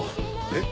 えっ？